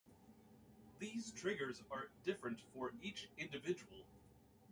These triggers are different for each individual.